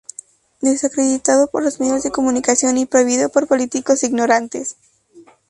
Desacreditado por los medios de comunicación y prohibido por políticos ignorantes.